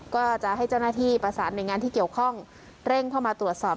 ก็จะให้เจ้าหน้าที่ประสานหน่วยงานที่เกี่ยวข้องเร่งเข้ามาตรวจสอบ